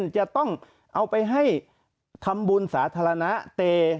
จะต้องเอาไปให้ทำบุญสาธารณะเต